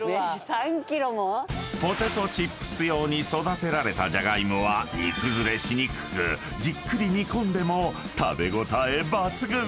３ｋｇも⁉［ポテトチップス用に育てられたじゃがいもは煮崩れしにくくじっくり煮込んでも食べ応え抜群！］